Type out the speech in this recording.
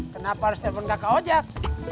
kenapa harus telepon kakak ojek